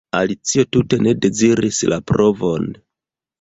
Alicio tute ne deziris la provon.